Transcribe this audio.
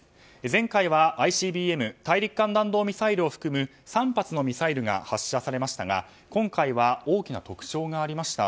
前回はＩＣＢＭ・大陸間弾道ミサイルを含む３発のミサイルが発射されましたが今回は大きな特徴がありました。